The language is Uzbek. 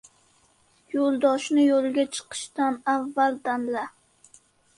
• Yo‘ldoshni yo‘lga chiqishdan avval tanla.